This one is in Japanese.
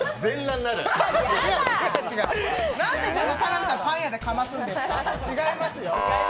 なんでそんな田辺さんパン屋でかますんですか。